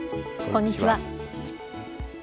こんにちは。